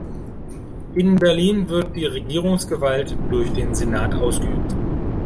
In Berlin wird die Regierungsgewalt durch den Senat ausgeübt.